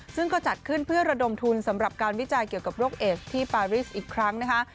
ซึ่งก็จัดขึ้นเพื่อระดมทุนสำหรับการวิจัยเกี่ยวกับโรคเอสที่ปาริสอีกครั้งนะคะ